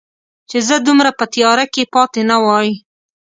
چې زه دومره په تیاره کې پاتې نه وای